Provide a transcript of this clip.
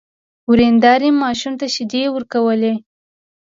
ورېندار ماشوم ته شيدې ورکولې.